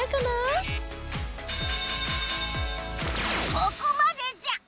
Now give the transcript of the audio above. ここまでじゃ！